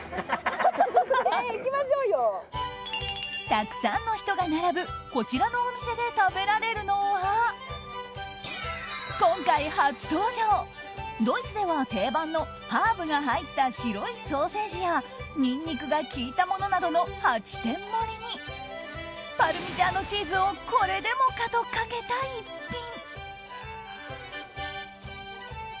たくさんの人が並ぶこちらのお店で食べられるのは今回、初登場ドイツでは定番のハーブが入った白いソーセージやニンニクが効いたものなどの８点盛りにパルミジャーノチーズをこれでもかとかけた一品。